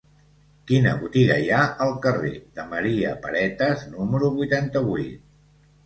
Quina botiga hi ha al carrer de Maria Paretas número vuitanta-vuit?